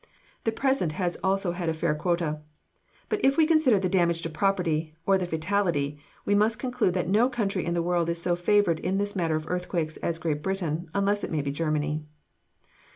The present has also had a fair quota. But if we consider the damage to property, or the fatality, we must conclude that no country in the world is so favored in this matter of earthquakes as Great Britain, unless it may be Germany.